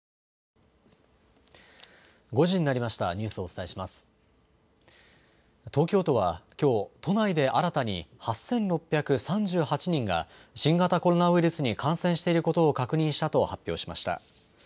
東京都はきょう、都内で新たに８６３８人が、新型コロナウイルスに感染していることを確認したと発表しました。